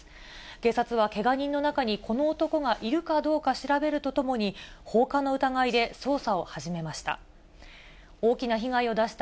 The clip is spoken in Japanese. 警察はけが人の中に、この男がいるかどうか調べるとともに、放火の疑いで捜査を始めました。